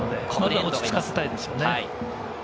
落ち着かせたいですよね。